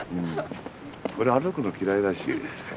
俺歩くの嫌いだし。